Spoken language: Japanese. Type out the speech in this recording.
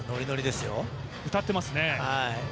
歌ってますよ。